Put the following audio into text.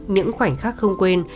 những khoảnh khắc không quên